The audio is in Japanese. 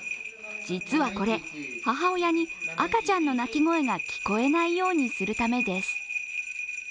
実はこれ、母親に赤ちゃんの鳴き声が聞こえないようにするためです。